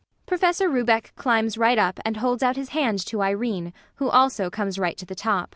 [PROFESSOR RUBEK climbs right up and holds out his hand to IRENE, who also comes right to the top.